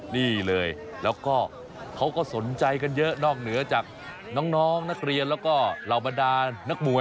นี่เลยแล้วก็เขาก็สนใจกันเยอะนอกเหนือจากน้องนักเรียนแล้วก็เหล่าบรรดานักมวย